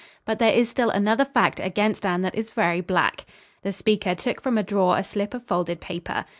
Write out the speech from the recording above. But there is still another fact against Anne that is very black." The speaker took from a drawer a slip of folded paper.